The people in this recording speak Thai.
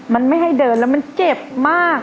มันไม่ให้เดินแล้วมันเจ็บมาก